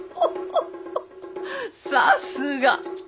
さすが！